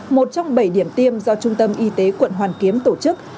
một trong bảy điểm tiêm do trung tâm y tế quận hoàn kiếm tổ chức